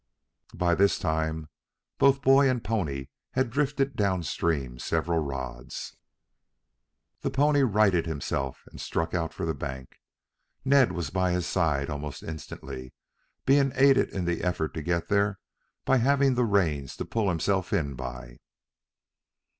By this time, both boy and pony had drifted down stream several rods. The pony righted himself and struck out for the bank. Ned was by his side almost instantly, being aided in the effort to get there by having the reins to pull himself in by.